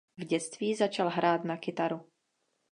V dětství začal hrát na kytaru.